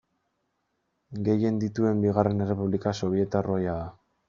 Gehien dituen bigarren errepublika sobietar ohia da.